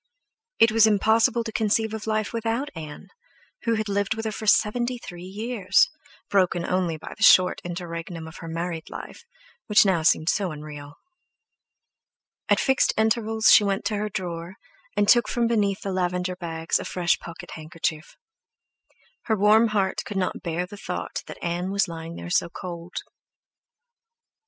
It was impossible to conceive of life without Ann, who had lived with her for seventy three years, broken only by the short interregnum of her married life, which seemed now so unreal. At fixed intervals she went to her drawer, and took from beneath the lavender bags a fresh pocket handkerchief. Her warm heart could not bear the thought that Ann was lying there so cold.